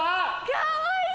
かわいい！